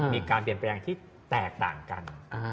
มีการเปลี่ยนแปลงที่แตกต่างกัน